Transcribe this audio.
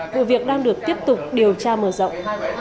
vụ việc đang được tiếp tục điều tra mở rộng